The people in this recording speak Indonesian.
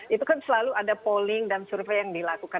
itu kan selalu ada polling dan survei yang dilakukan